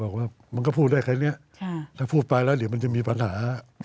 บอกว่ามันก็พูดได้แค่นี้ถ้าพูดไปแล้วเดี๋ยวมันจะมีปัญหา